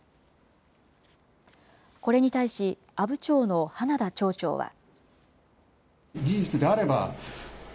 これに対し、阿武町の花田町長は。